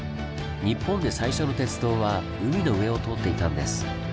日本で最初の鉄道は海の上を通っていたんです。